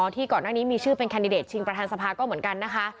ที่ก่อนหน้านี้มีชื่อเป็นแคนดิเดตชิงประธานสภาก็เหมือนกันนะคะ